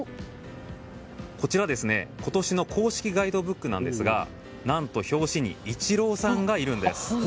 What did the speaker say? こちら、今年の公式ガイドブックなんですが何と表紙にイチローさんがいるんです。